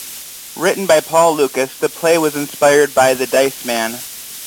Written by Paul Lucas, the play was inspired by "The Dice Man".